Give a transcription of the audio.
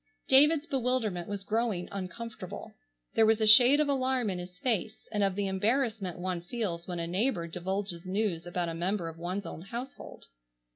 David's bewilderment was growing uncomfortable. There was a shade of alarm in his face and of the embarrassment one feels when a neighbor divulges news about a member of one's own household.